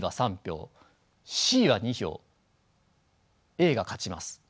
Ａが勝ちます。